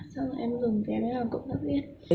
xong rồi em dùng cái đấy làm cộng tác viên